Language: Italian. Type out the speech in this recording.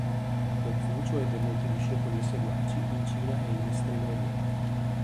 Confucio ebbe molti discepoli e seguaci, in Cina e in Estremo Oriente.